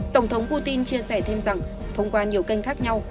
tổng thống putin chia sẻ thêm rằng thông qua nhiều kênh khác nhau